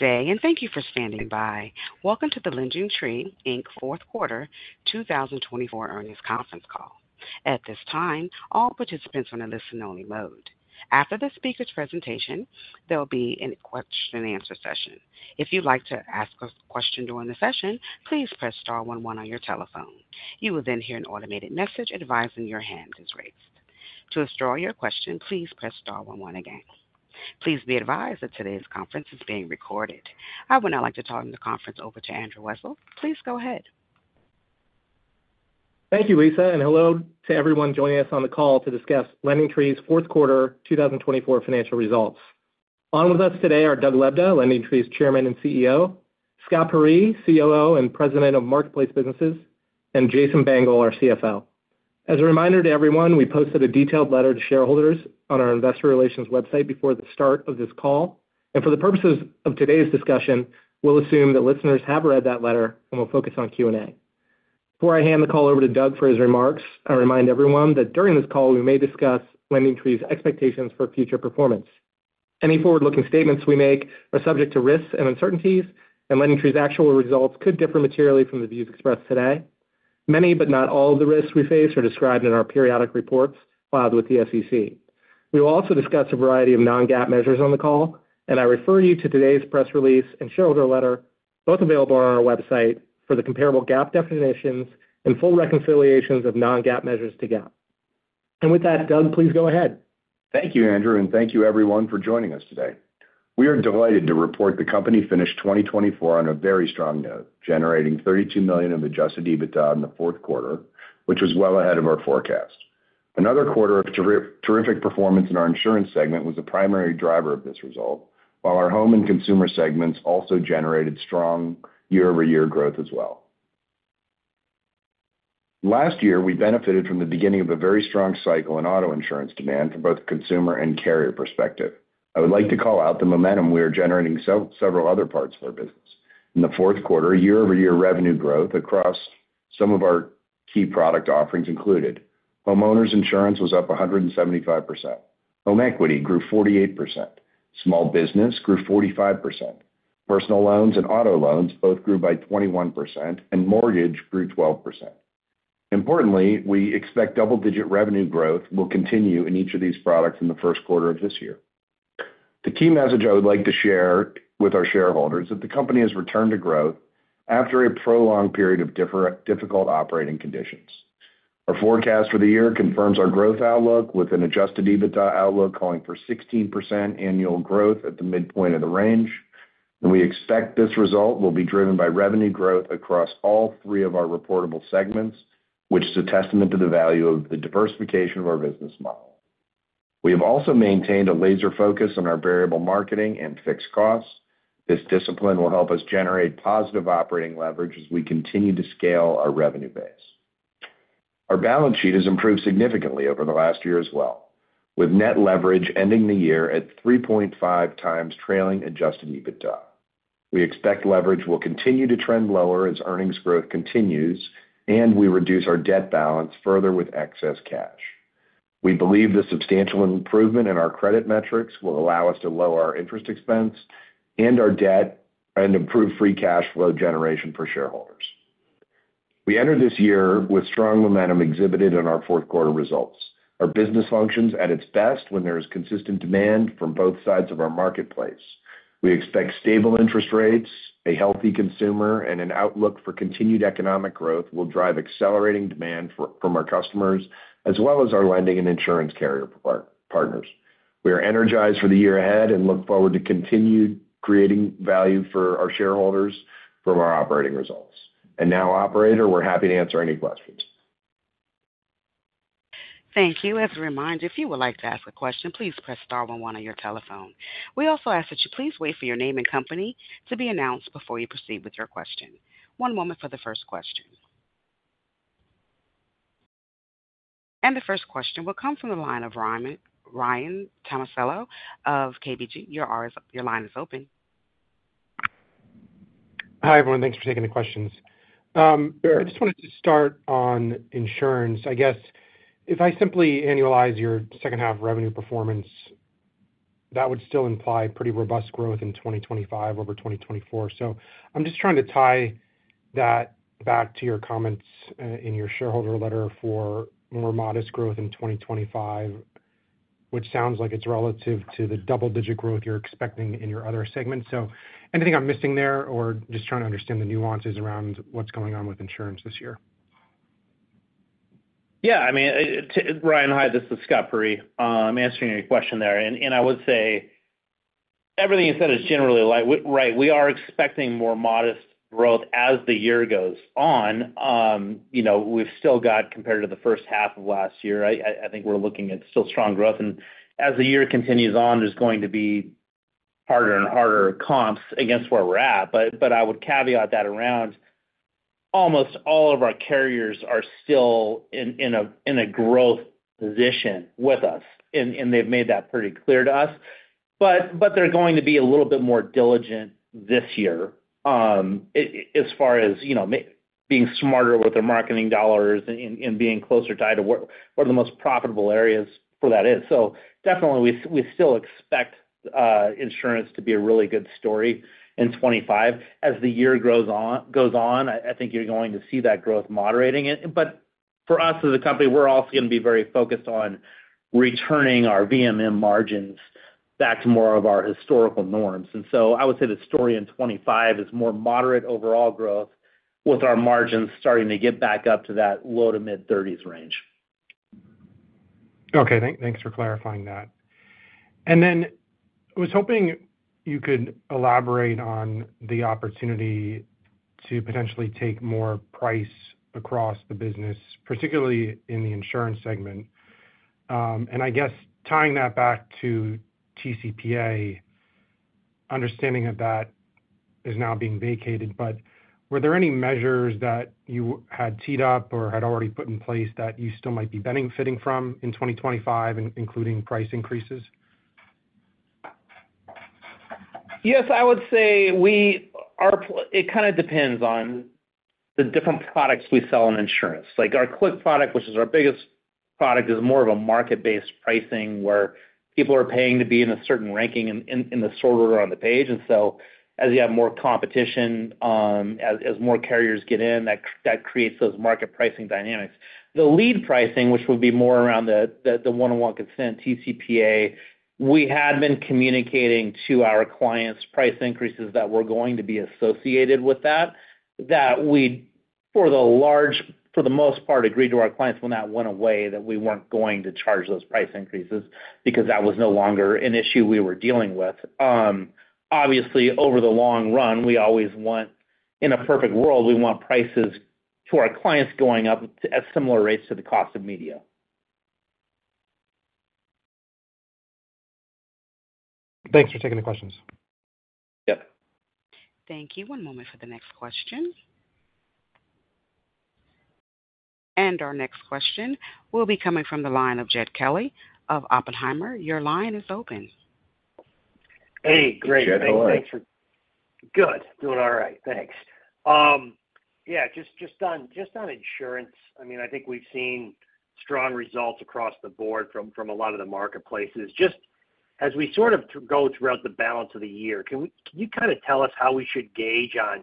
Today, and thank you for standing by. Welcome to the LendingTree fourth quarter 2024 earnings conference call. At this time, all participants are in a listen-only mode. After the speaker's presentation, there will be a question-and-answer session. If you'd like to ask a question during the session, please press star one one1 on your telephone. You will then hear an automated message advising your hand is raised. To withdraw your question, please press star one one again. Please be advised that today's conference is being recorded. I would now like to turn the conference over to Andrew Wessel. Please go ahead. Thank you, Lisa, and hello to everyone joining us on the call to discuss LendingTree's fourth quarter 2024 financial results. On with us today are Doug Lebda, LendingTree's Chairman and CEO; Scott Peyree, COO and President of Marketplace Businesses; and Jason Bengel, our CFO. As a reminder to everyone, we posted a detailed letter to shareholders on our investor relations website before the start of this call. For the purposes of today's discussion, we'll assume that listeners have read that letter, and we'll focus on Q&A. Before I hand the call over to Doug for his remarks, I remind everyone that during this call, we may discuss LendingTree's expectations for future performance. Any forward-looking statements we make are subject to risks and uncertainties, and LendingTree's actual results could differ materially from the views expressed today. Many, but not all, of the risks we face are described in our periodic reports filed with the SEC. We will also discuss a variety of non-GAAP measures on the call, and I refer you to today's press release and shareholder letter, both available on our website, for the comparable GAAP definitions and full reconciliations of non-GAAP measures to GAAP. With that, Doug, please go ahead. Thank you, Andrew, and thank you, everyone, for joining us today. We are delighted to report the company finished 2024 on a very strong note, generating $32 million of adjusted EBITDA in the fourth quarter, which was well ahead of our forecast. Another quarter of terrific performance in our Insurance segment was a primary driver of this result, while our Home and Consumer segments also generated strong year-over-year growth as well. Last year, we benefited from the beginning of a very strong cycle in auto insurance demand from both a consumer and carrier perspective. I would like to call out the momentum we are generating from several other parts of our business. In the fourth quarter, year-over-year revenue growth across some of our key product offerings included: homeowners insurance was up 175%, home equity grew 48%, small business grew 45%, personal loans and auto loans both grew by 21%, and mortgage grew 12%. Importantly, we expect double-digit revenue growth will continue in each of these products in the first quarter of this year. The key message I would like to share with our shareholders is that the company has returned to growth after a prolonged period of difficult operating conditions. Our forecast for the year confirms our growth outlook, with an adjusted EBITDA outlook calling for 16% annual growth at the midpoint of the range. We expect this result will be driven by revenue growth across all three of our reportable segments, which is a testament to the value of the diversification of our business model. We have also maintained a laser focus on our variable marketing and fixed costs. This discipline will help us generate positive operating leverage as we continue to scale our revenue base. Our balance sheet has improved significantly over the last year as well, with net leverage ending the year at 3.5x trailing adjusted EBITDA. We expect leverage will continue to trend lower as earnings growth continues, and we reduce our debt balance further with excess cash. We believe the substantial improvement in our credit metrics will allow us to lower our interest expense and our debt and improve free cash flow generation for shareholders. We enter this year with strong momentum exhibited in our fourth quarter results. Our business functions at its best when there is consistent demand from both sides of our marketplace. We expect stable interest rates, a healthy consumer, and an outlook for continued economic growth will drive accelerating demand from our customers as well as our lending and insurance carrier partners. We are energized for the year ahead and look forward to continued creating value for our shareholders from our operating results. Now, Operator, we're happy to answer any questions. Thank you. As a reminder, if you would like to ask a question, please press star one one on your telephone. We also ask that you please wait for your name and company to be announced before you proceed with your question. One moment for the first question. The first question will come from the line of Ryan Tomasello of KBW. Your line is open. Hi, everyone. Thanks for taking the questions. I just wanted to start on insurance. I guess if I simply annualize your second-half revenue performance, that would still imply pretty robust growth in 2025 over 2024. I'm just trying to tie that back to your comments in your shareholder letter for more modest growth in 2025, which sounds like it's relative to the double-digit growth you're expecting in your other segments. Anything I'm missing there or just trying to understand the nuances around what's going on with insurance this year? Yeah. I mean, Ryan, hi. This is Scott Peyree. I'm answering your question there. I would say everything you said is generally right. We are expecting more modest growth as the year goes on. We've still got, compared to the first half of last year, I think we're looking at still strong growth. As the year continues on, there's going to be harder and harder comps against where we're at. I would caveat that around almost all of our carriers are still in a growth position with us, and they've made that pretty clear to us. They're going to be a little bit more diligent this year as far as being smarter with their marketing dollars and being closer tied to what are the most profitable areas for that is. Definitely, we still expect insurance to be a really good story in 2025. As the year goes on, I think you're going to see that growth moderating. For us as a company, we're also going to be very focused on returning our VMM margins back to more of our historical norms. I would say the story in 2025 is more moderate overall growth with our margins starting to get back up to that low to mid-30% range. Okay. Thanks for clarifying that. I was hoping you could elaborate on the opportunity to potentially take more price across the business, particularly in the Insurance segment. I guess tying that back to TCPA, understanding that that is now being vacated, were there any measures that you had teed up or had already put in place that you still might be benefiting from in 2025, including price increases? Yes, I would say it kind of depends on the different products we sell in insurance. Our Click product, which is our biggest product, is more of a market-based pricing where people are paying to be in a certain ranking in the sort order on the page. As you have more competition, as more carriers get in, that creates those market pricing dynamics. The lead pricing, which would be more around the one-on-one consent, TCPA, we had been communicating to our clients price increases that were going to be associated with that, that we, for the most part, agreed to our clients when that went away that we were not going to charge those price increases because that was no longer an issue we were dealing with. Obviously, over the long run, we always want, in a perfect world, we want prices to our clients going up at similar rates to the cost of media. Thanks for taking the questions. Yep. Thank you. One moment for the next question. Our next question will be coming from the line of Jed Kelly of Oppenheimer. Your line is open. Hey, great. Good. Thanks for good. Doing all right. Thanks. Yeah. Just on insurance, I mean, I think we've seen strong results across the board from a lot of the marketplaces. Just as we sort of go throughout the balance of the year, can you kind of tell us how we should gauge on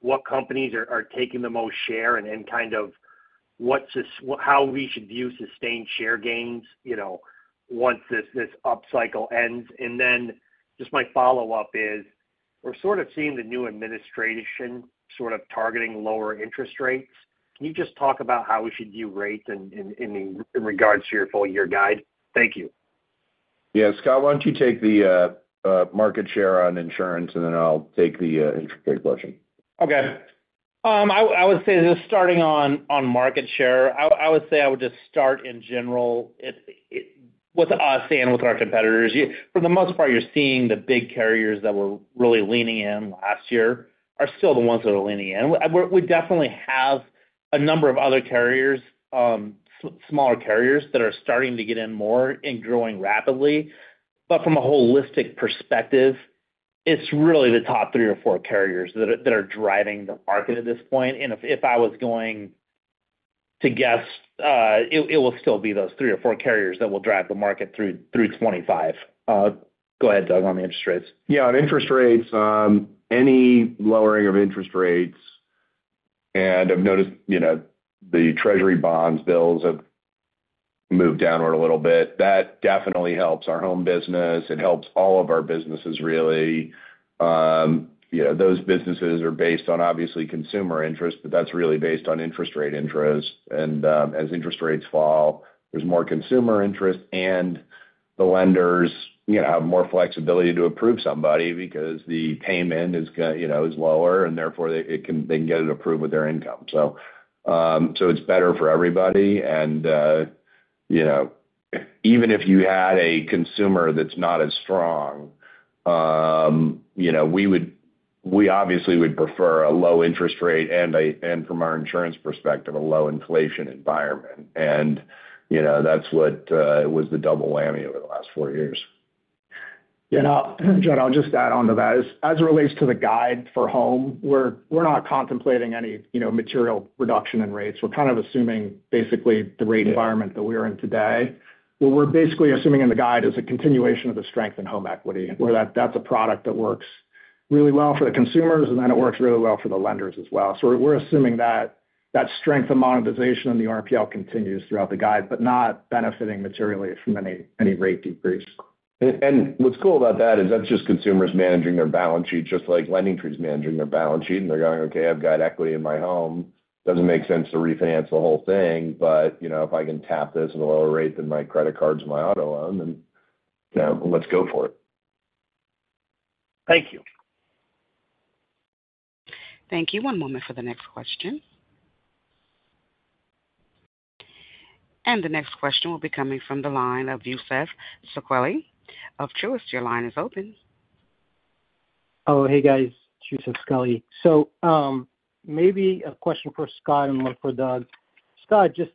what companies are taking the most share and kind of how we should view sustained share gains once this upcycle ends? My follow-up is we're sort of seeing the new administration sort of targeting lower interest rates. Can you just talk about how we should view rates in regards to your full-year guide? Thank you. Yeah. Scott, why don't you take the market share on insurance, and then I'll take the intraday question. Okay. I would say just starting on market share, I would say I would just start in general with us and with our competitors. For the most part, you're seeing the big carriers that were really leaning in last year are still the ones that are leaning in. We definitely have a number of other carriers, smaller carriers that are starting to get in more and growing rapidly. From a holistic perspective, it's really the top three or four carriers that are driving the market at this point. If I was going to guess, it will still be those three or four carriers that will drive the market through 2025. Go ahead, Doug, on the interest rates. Yeah. On interest rates, any lowering of interest rates, and I've noticed the Treasury bonds bills have moved downward a little bit. That definitely helps our home business. It helps all of our businesses, really. Those businesses are based on, obviously, consumer interest, but that's really based on interest rate interest. As interest rates fall, there's more consumer interest, and the lenders have more flexibility to approve somebody because the payment is lower, and therefore, they can get it approved with their income. It's better for everybody. Even if you had a consumer that's not as strong, we obviously would prefer a low interest rate and, from our insurance perspective, a low inflation environment. That's what was the double whammy over the last four years. Yeah. Now, Doug, I'll just add on to that. As it relates to the guide for home, we're not contemplating any material reduction in rates. We're kind of assuming basically the rate environment that we're in today. What we're basically assuming in the guide is a continuation of the strength in home equity, where that's a product that works really well for the consumers, and then it works really well for the lenders as well. So we're assuming that strength of monetization in the RPL continues throughout the guide, but not benefiting materially from any rate decrease. What's cool about that is that's just consumers managing their balance sheet, just like LendingTree is managing their balance sheet, and they're going, "Okay, I've got equity in my home. Doesn't make sense to refinance the whole thing. But if I can tap this at a lower rate than my credit cards and my auto loan, then let's go for it. Thank you. Thank you. One moment for the next question. The next question will be coming from the line of Youssef Squali of Truist. Your line is open. Oh, hey, guys. Yousef Sokweli. Maybe a question for Scott and one for Doug. Scott, just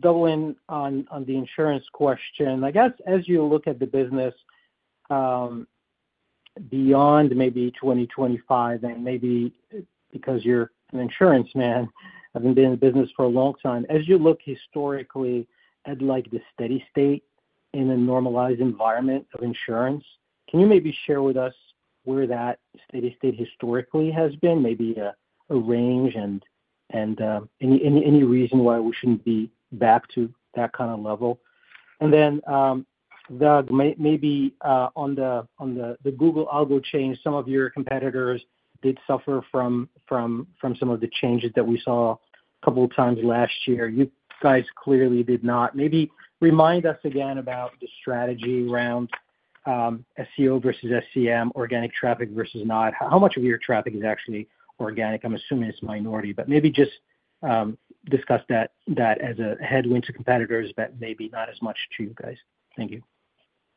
double in on the insurance question. I guess as you look at the business beyond maybe 2025, and maybe because you're an insurance man, I've been in the business for a long time. As you look historically at the steady state in a normalized environment of insurance, can you maybe share with us where that steady state historically has been, maybe a range, and any reason why we shouldn't be back to that kind of level? Doug, maybe on the Google algo change, some of your competitors did suffer from some of the changes that we saw a couple of times last year. You guys clearly did not. Maybe remind us again about the strategy around SEO versus SEM, organic traffic versus not. How much of your traffic is actually organic? I'm assuming it's a minority, but maybe just discuss that as a headwind to competitors that may be not as much to you guys. Thank you.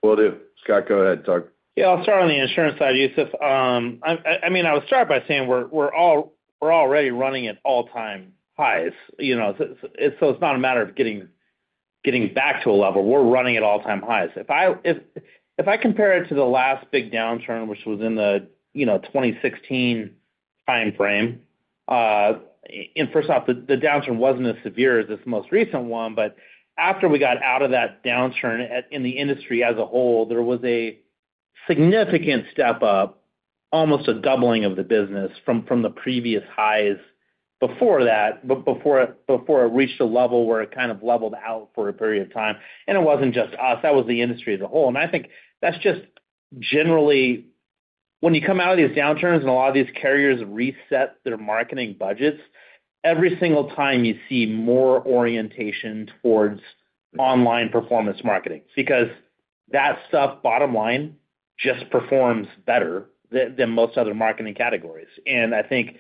Will do. Scott, go ahead, start. Yeah. I'll start on the insurance side, Yousef. I mean, I would start by saying we're already running at all-time highs. It's not a matter of getting back to a level. We're running at all-time highs. If I compare it to the last big downturn, which was in the 2016 timeframe, and first off, the downturn wasn't as severe as this most recent one, after we got out of that downturn in the industry as a whole, there was a significant step up, almost a doubling of the business from the previous highs before that, before it reached a level where it kind of leveled out for a period of time. It wasn't just us. That was the industry as a whole. I think that's just generally, when you come out of these downturns and a lot of these carriers reset their marketing budgets, every single time you see more orientation towards online performance marketing because that stuff, bottom line, just performs better than most other marketing categories. I think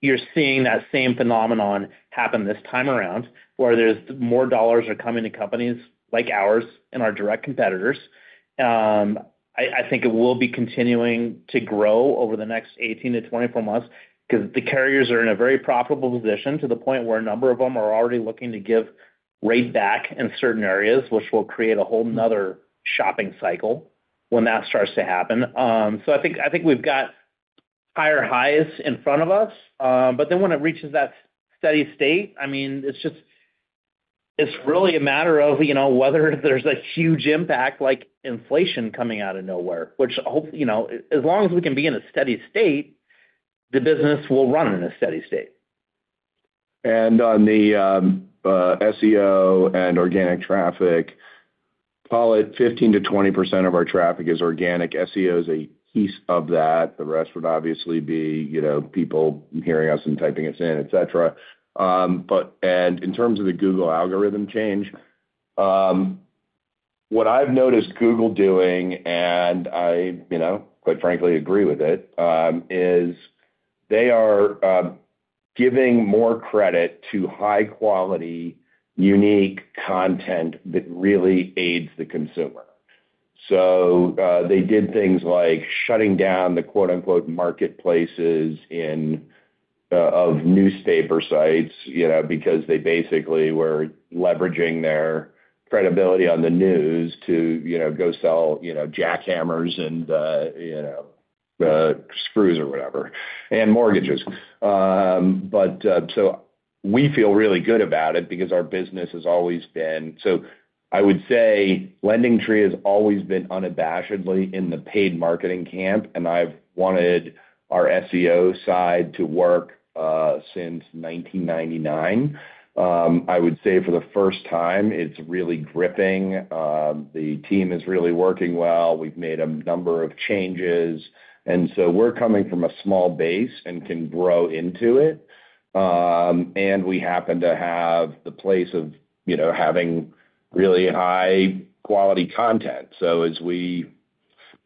you're seeing that same phenomenon happen this time around where more dollars are coming to companies like ours and our direct competitors. I think it will be continuing to grow over the next 18-24 months because the carriers are in a very profitable position to the point where a number of them are already looking to give rate back in certain areas, which will create a whole nother shopping cycle when that starts to happen. I think we've got higher highs in front of us. When it reaches that steady state, I mean, it's really a matter of whether there's a huge impact like inflation coming out of nowhere, which as long as we can be in a steady state, the business will run in a steady state. On the SEO and organic traffic, call it 15%-20% of our traffic is organic. SEO is a piece of that. The rest would obviously be people hearing us and typing us in, etc. In terms of the Google algorithm change, what I've noticed Google doing, and I quite frankly agree with it, is they are giving more credit to high-quality, unique content that really aids the consumer. They did things like shutting down the "marketplaces" of newspaper sites because they basically were leveraging their credibility on the news to go sell jackhammers and screws or whatever and mortgages. We feel really good about it because our business has always been, so I would say LendingTree has always been unabashedly in the paid marketing camp, and I've wanted our SEO side to work since 1999. I would say for the first time, it's really gripping. The team is really working well. We've made a number of changes. We're coming from a small base and can grow into it. We happen to have the place of having really high-quality content. As we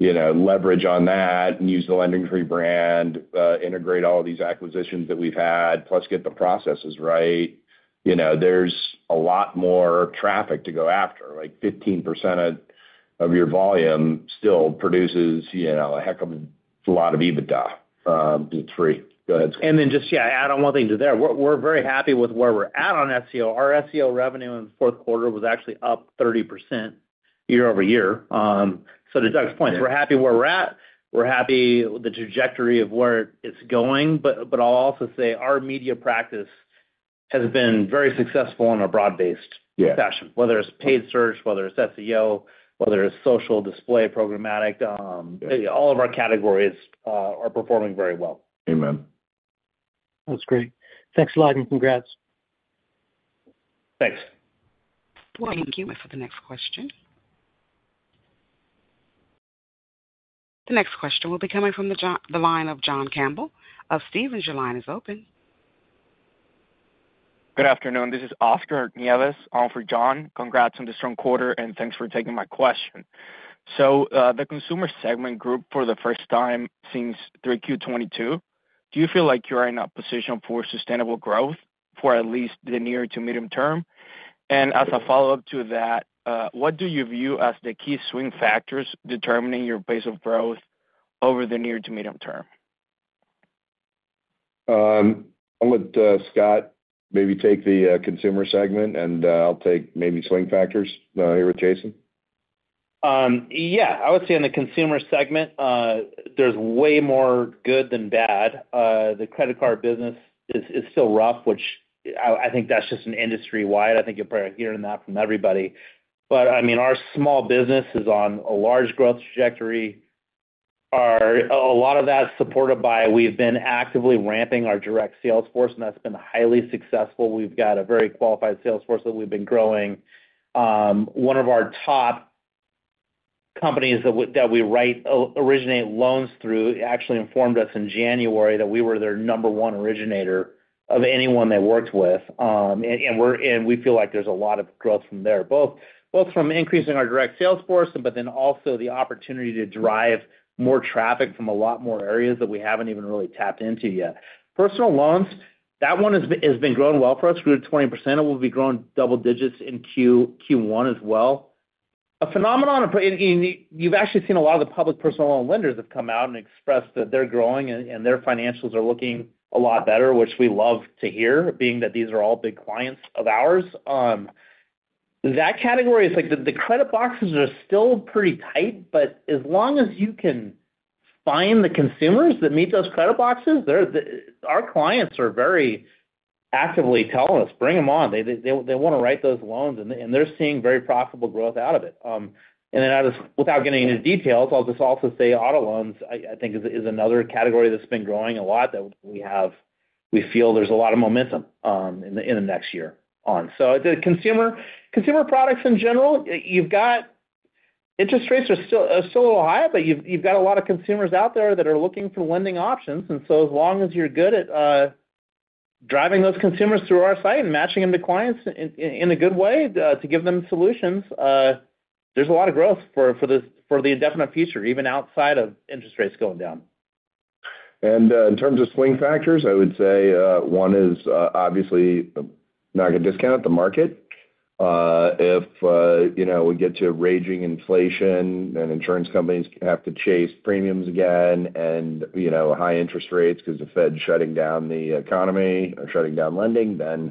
leverage on that and use the LendingTree brand, integrate all these acquisitions that we've had, plus get the processes right, there's a lot more traffic to go after. Like 15% of your volume still produces a heck of a lot of EBITDA. It's free. Go ahead, Scott. Yeah, add on one thing to there. We're very happy with where we're at on SEO. Our SEO revenue in the fourth quarter was actually up 30% year-over-year. To Doug's point, we're happy where we're at. We're happy with the trajectory of where it's going. I'll also say our media practice has been very successful in a broad-based fashion, whether it's paid search, whether it's SEO, whether it's social display, programmatic. All of our categories are performing very well. Amen. That's great. Thanks a lot and congrats. Thanks. Thank you. Wait for the next question. The next question will be coming from the line of John Campbell of Stephens. Your line is open. Good afternoon. This is Oscar Nieves, all for John. Congrats on the strong quarter, and thanks for taking my question. The Consumer segment grew for the first time since 3Q 2022. Do you feel like you are in a position for sustainable growth for at least the near to medium term? As a follow-up to that, what do you view as the key swing factors determining your pace of growth over the near to medium term? I'll let Scott maybe take the Consumer segment, and I'll take maybe swing factors here with Jason. Yeah. I would say in the Consumer segment, there's way more good than bad. The credit card business is still rough, which I think that's just an industry-wide issue. I think you're probably hearing that from everybody. I mean, our small business is on a large growth trajectory. A lot of that is supported by we've been actively ramping our direct sales force, and that's been highly successful. We've got a very qualified sales force that we've been growing. One of our top companies that we originate loans through actually informed us in January that we were their number one originator of anyone they worked with. We feel like there's a lot of growth from there, both from increasing our direct sales force, but then also the opportunity to drive more traffic from a lot more areas that we haven't even really tapped into yet. Personal loans, that one has been growing well for us. We're at 20%. It will be growing double digits in Q1 as well. A phenomenon of you've actually seen a lot of the public personal loan lenders have come out and expressed that they're growing and their financials are looking a lot better, which we love to hear, being that these are all big clients of ours. That category, the credit boxes are still pretty tight, but as long as you can find the consumers that meet those credit boxes, our clients are very actively telling us, "Bring them on." They want to write those loans, and they're seeing very profitable growth out of it. Without getting into details, I'll just also say auto loans, I think, is another category that's been growing a lot that we feel there's a lot of momentum in the next year on. The consumer products in general, interest rates are still a little high, but you've got a lot of consumers out there that are looking for lending options. And as long as you're good at driving those consumers through our site and matching them to clients in a good way to give them solutions, there's a lot of growth for the indefinite future, even outside of interest rates going down. In terms of swing factors, I would say one is obviously not going to discount the market. If we get to raging inflation and insurance companies have to chase premiums again and high interest rates because the Fed's shutting down the economy or shutting down lending, that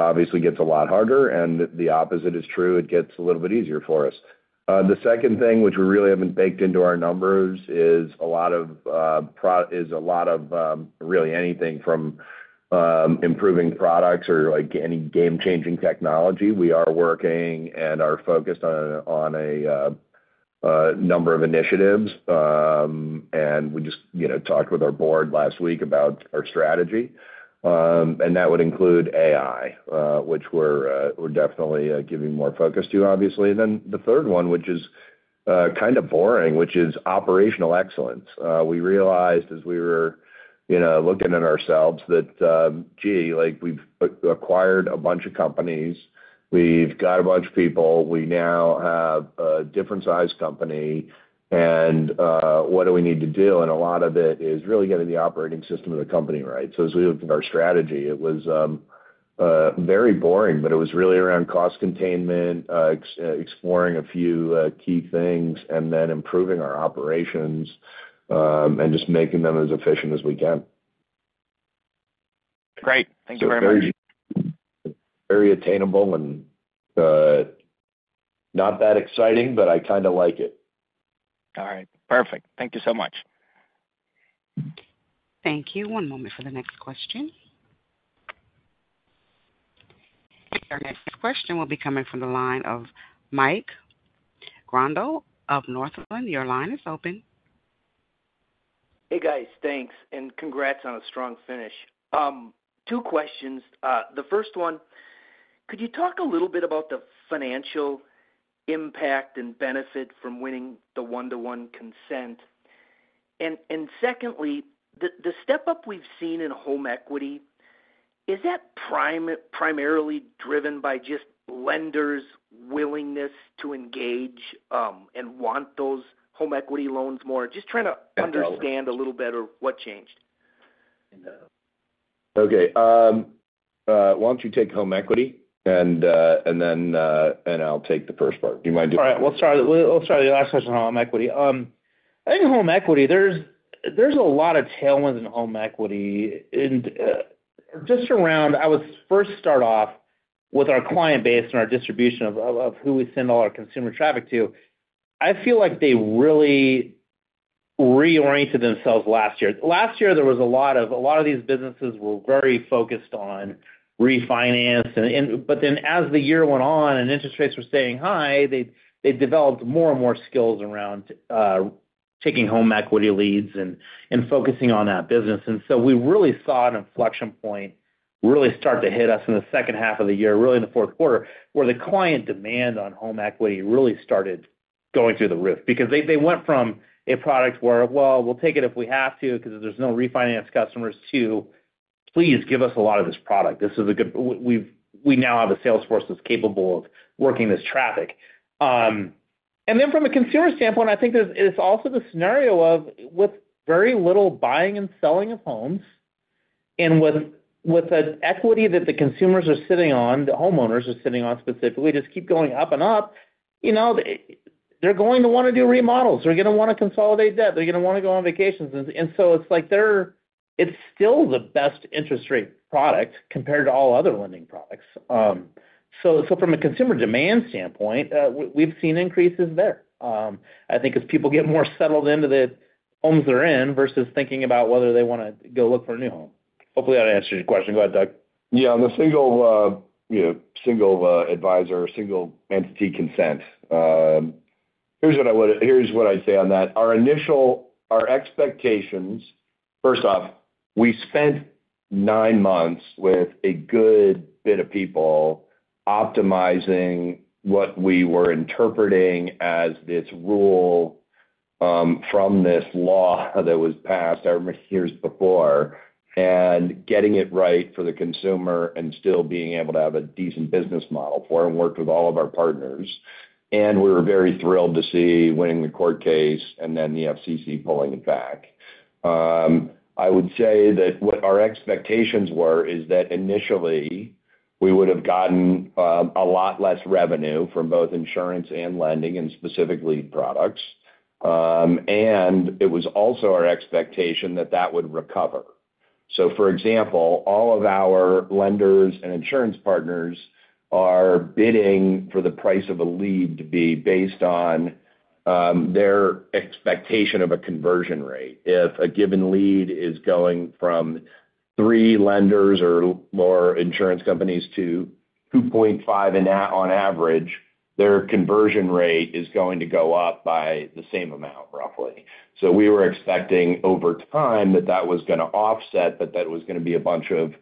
obviously gets a lot harder. The opposite is true. It gets a little bit easier for us. The second thing, which we really haven't baked into our numbers, is a lot of really anything from improving products or any game-changing technology. We are working and are focused on a number of initiatives. We just talked with our board last week about our strategy. That would include AI, which we're definitely giving more focus to, obviously, than the third one, which is kind of boring, which is operational excellence. We realized as we were looking at ourselves that, "Gee, we've acquired a bunch of companies. We've got a bunch of people. We now have a different-sized company. What do we need to do?" A lot of it is really getting the operating system of the company right. As we looked at our strategy, it was very boring, but it was really around cost containment, exploring a few key things, and then improving our operations and just making them as efficient as we can. Great. Thank you very much. Very attainable and not that exciting, but I kind of like it. All right. Perfect. Thank you so much. Thank you. One moment for the next question. Our next question will be coming from the line of Mike Grondahl of Northland. Your line is open. Hey, guys. Thanks. Congrats on a strong finish. Two questions. The first one, could you talk a little bit about the financial impact and benefit from winning the one-to-one consent? Secondly, the step up we've seen in home equity, is that primarily driven by just lenders' willingness to engage and want those home equity loans more? Just trying to understand a little better what changed. Okay. Why don't you take home equity, and then I'll take the first part. Do you mind doing that? All right. We'll start with the last question on home equity. I think home equity, there's a lot of tailwinds in home equity. Just around, I would first start off with our client base and our distribution of who we send all our consumer traffic to. I feel like they really reoriented themselves last year. Last year, a lot of these businesses were very focused on refinance. As the year went on and interest rates were staying high, they developed more and more skills around taking home equity leads and focusing on that business. We really saw an inflection point really start to hit us in the second half of the year, really in the fourth quarter, where the client demand on home equity really started going through the roof because they went from a product where, "Well, we'll take it if we have to because there's no refinance customers," to "Please give us a lot of this product. This is good. We now have a sales force that's capable of working this traffic." From a consumer standpoint, I think it's also the scenario of with very little buying and selling of homes and with the equity that the consumers are sitting on, the homeowners are sitting on specifically, just keep going up and up, they're going to want to do remodels. They're going to want to consolidate debt. They're going to want to go on vacations. It is still the best interest rate product compared to all other lending products. From a consumer demand standpoint, we've seen increases there. I think as people get more settled into the homes they're in versus thinking about whether they want to go look for a new home. Hopefully, that answers your question. Go ahead, Doug. Yeah. On the single advisor, single entity consent, here's what I would say on that. Our expectations, first off, we spent nine months with a good bit of people optimizing what we were interpreting as this rule from this law that was passed here before, and getting it right for the consumer and still being able to have a decent business model for it and worked with all of our partners. We were very thrilled to see winning the court case and then the FCC pulling it back. I would say that what our expectations were is that initially, we would have gotten a lot less revenue from both insurance and lending and specifically products. It was also our expectation that that would recover. For example, all of our lenders and insurance partners are bidding for the price of a lead to be based on their expectation of a conversion rate. If a given lead is going from three lenders or more insurance companies to 2.5 on average, their conversion rate is going to go up by the same amount, roughly. We were expecting over time that that was going to offset, but that was going to be a bunch of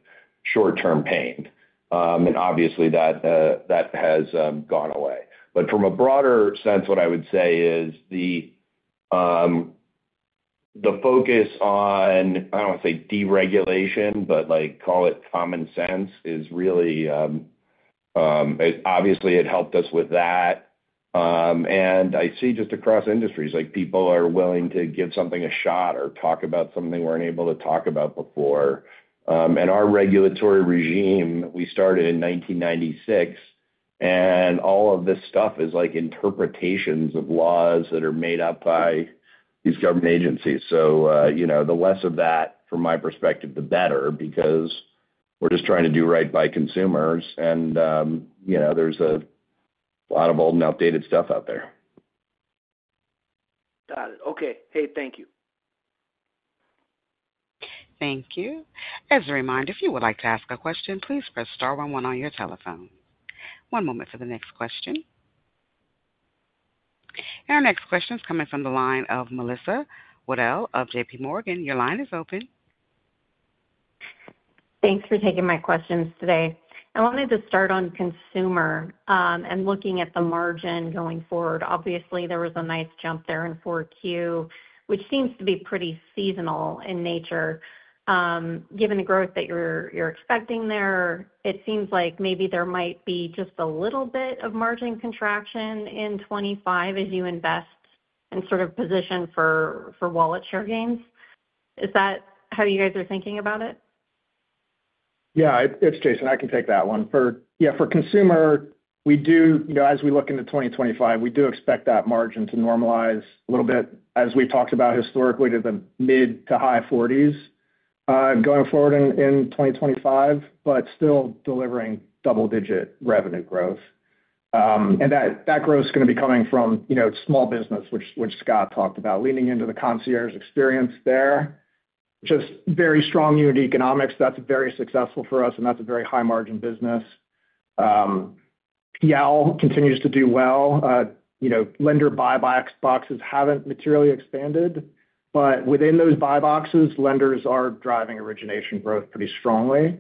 short-term pain. Obviously, that has gone away. From a broader sense, what I would say is the focus on, I do not want to say deregulation, but call it common sense is really obviously, it helped us with that. I see just across industries, people are willing to give something a shot or talk about something we were not able to talk about before. Our regulatory regime, we started in 1996, and all of this stuff is interpretations of laws that are made up by these government agencies. The less of that, from my perspective, the better because we're just trying to do right by consumers. There is a lot of old and outdated stuff out there. Got it. Okay. Hey, thank you. Thank you. As a reminder, if you would like to ask a question, please press star one one on your telephone. One moment for the next question. Our next question is coming from the line of Melissa Wedel of J.P. Morgan. Your line is open. Thanks for taking my questions today. I wanted to start on consumer and looking at the margin going forward. Obviously, there was a nice jump there in Q4, which seems to be pretty seasonal in nature. Given the growth that you're expecting there, it seems like maybe there might be just a little bit of margin contraction in 2025 as you invest and sort of position for wallet share gains. Is that how you guys are thinking about it? Yeah. It's Jason. I can take that one. Yeah. For consumer, we do, as we look into 2025, we do expect that margin to normalize a little bit as we've talked about historically to the mid to high 40% going forward in 2025, but still delivering double-digit revenue growth. That growth is going to be coming from small business, which Scott talked about, leaning into the concierge experience there. Just very strong unit economics. That's very successful for us, and that's a very high-margin business. PL continues to do well. Lender buy boxes haven't materially expanded, but within those buy boxes, lenders are driving origination growth pretty strongly.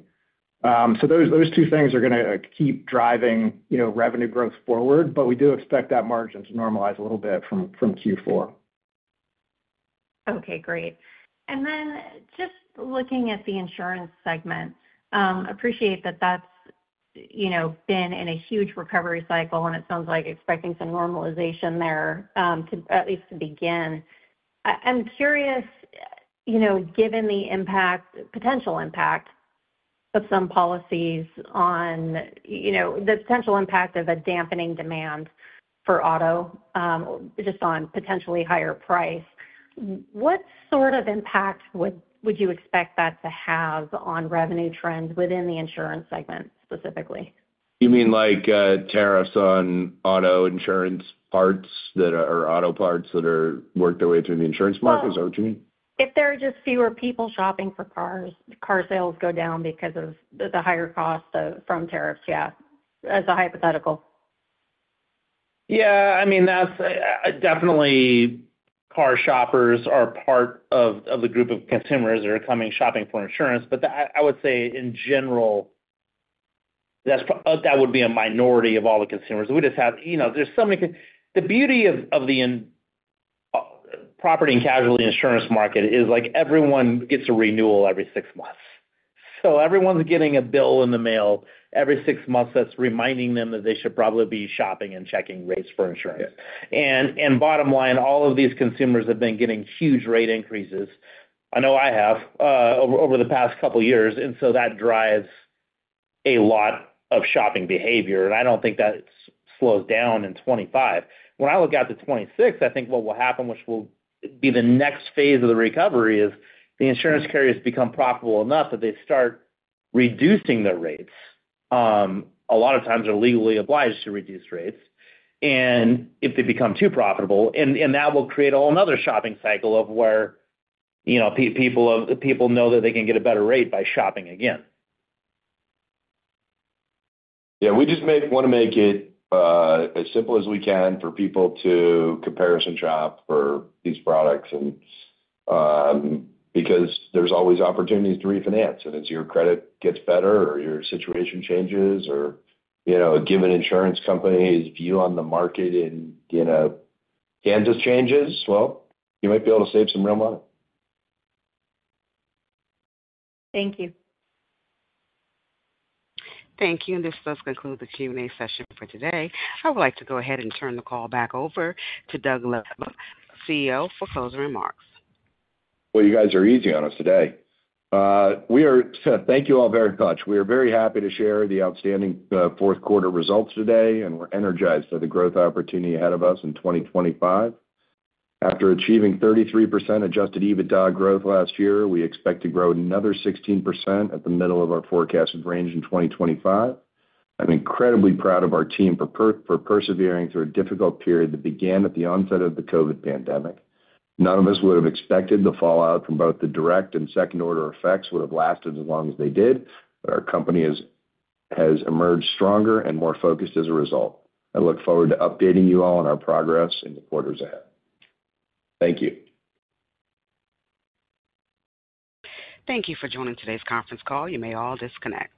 Those two things are going to keep driving revenue growth forward, but we do expect that margin to normalize a little bit from Q4. Okay. Great. Just looking at the Insurance segment, appreciate that that's been in a huge recovery cycle, and it sounds like expecting some normalization there, at least to begin. I'm curious, given the potential impact of some policies on the potential impact of a dampening demand for auto, just on potentially higher price, what sort of impact would you expect that to have on revenue trends within the Insurance segment specifically? You mean like tariffs on auto parts that work their way through the insurance market? Is that what you mean? If there are just fewer people shopping for cars, car sales go down because of the higher cost from tariffs, yeah, as a hypothetical. Yeah. I mean, definitely, car shoppers are part of the group of consumers that are coming shopping for insurance. I would say, in general, that would be a minority of all the consumers. We just have, there's so many, the beauty of the property and casualty insurance market is everyone gets a renewal every six months. Everyone's getting a bill in the mail every six months that's reminding them that they should probably be shopping and checking rates for insurance. Bottom line, all of these consumers have been getting huge rate increases. I know I have over the past couple of years. That drives a lot of shopping behavior. I don't think that slows down in 2025. When I look out to 2026, I think what will happen, which will be the next phase of the recovery, is the insurance carriers become profitable enough that they start reducing their rates, a lot of times are legally obliged to reduce rates. If they become too profitable, that will create a whole nother shopping cycle of where people know that they can get a better rate by shopping again. Yeah. We just want to make it as simple as we can for people to comparison shop for these products because there's always opportunities to refinance. As your credit gets better or your situation changes or a given insurance company's view on the market in Kansas changes, you might be able to save some real money. Thank you. Thank you. This does conclude the Q&A session for today. I would like to go ahead and turn the call back over to Doug Lebda, CEO, for closing remarks. You guys are easy on us today. Thank you all very much. We are very happy to share the outstanding fourth-quarter results today, and we're energized by the growth opportunity ahead of us in 2025. After achieving 33% adjusted EBITDA growth last year, we expect to grow another 16% at the middle of our forecasted range in 2025. I'm incredibly proud of our team for persevering through a difficult period that began at the onset of the COVID pandemic. None of us would have expected the fallout from both the direct and second-order effects would have lasted as long as they did, but our company has emerged stronger and more focused as a result. I look forward to updating you all on our progress in the quarters ahead. Thank you. Thank you for joining today's conference call. You may all disconnect.